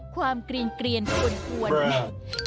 ความกรีนกรีนอ่วนแหม่ง